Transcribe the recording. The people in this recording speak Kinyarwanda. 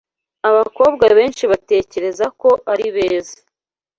Abakobwa benshi batekereza ko ari beza.